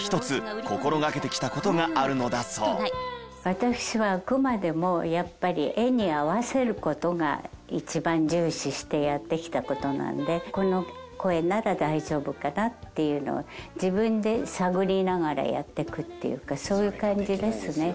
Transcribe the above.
私はあくまでもやっぱり画に合わせる事が一番重視してやってきた事なんでこの声なら大丈夫かな？っていうのを自分で探りながらやっていくっていうかそういう感じですね。